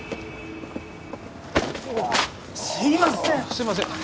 すいません！